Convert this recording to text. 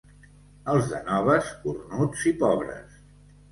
Els de Noves, cornuts i pobres.